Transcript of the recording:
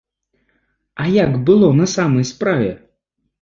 А як было на самай справе?